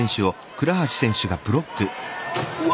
うわ！